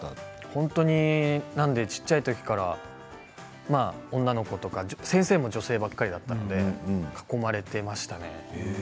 本当に、だから小さいときから女の子とか先生も女性ばかりだったので囲まれていましたね。